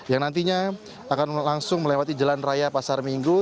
yang nantinya akan langsung melewati jalan raya pasar minggu